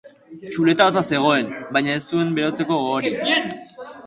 Txuleta hotza zegoen, baina ez zuen berotzeko gogorik.